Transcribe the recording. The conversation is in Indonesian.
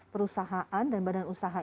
perusahaan dan badan usaha